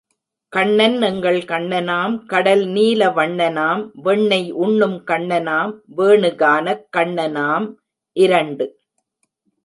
கண்ணன் எங்கள் கண்ணனாம் கடல் நீல வண்ணனாம் வெண்ணெய் உண்ணும் கண்ணனாம் வேணு கானக் கண்ணனாம் இரண்டு.